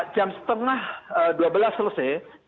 jam setengah dua belas selesai